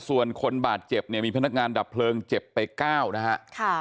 ส่วนคนบาดเจ็บเนี่ยมีพนักงานดับเพลิงเจ็บไป๙นะฮะ